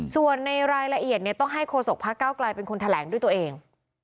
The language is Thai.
ส่วนในรายละเอียดเนี่ยต้องให้โคศกพักก้าวกลายเป็นคนแถลงด้วยตัวเอง